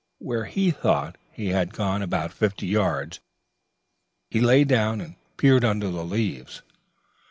When he thought he had gone about fifty yards, he lay down and peered under the leaves.